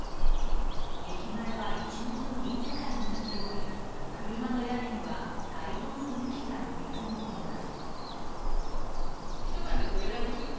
駅前は一面の銀世界になっており車の屋根には大量の雪が降り積もっています。